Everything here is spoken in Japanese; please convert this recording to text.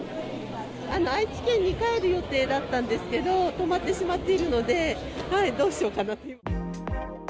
愛知県に帰る予定だったんですけど、止まってしまっているので、どうしようかなって。